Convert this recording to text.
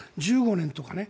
１５年とかね。